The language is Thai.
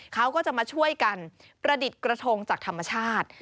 เขาก็จะมาช่วยกันประดิษฐ์กระทงจากธรรมชาติ